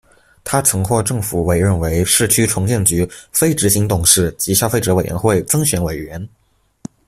他曾获政府委任为市区重建局非执行董事及消费者委员会增选委员。